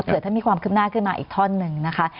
เพื่อถ้ามีความคืบหน้าขึ้นมาอีกท่อนหนึ่งนะคะ